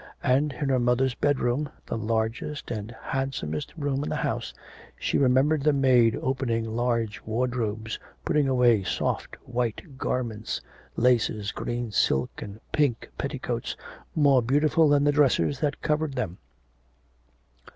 And in her mother's bedroom the largest and handsomest room in the house she remembered the maid opening large wardrobes, putting away soft white garments, laces, green silk and pink petticoats, more beautiful than the dresses that covered them.